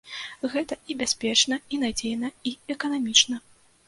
Гэта і бяспечна, і надзейна, і эканамічна.